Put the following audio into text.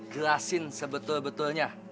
jelasin sebetul betul ya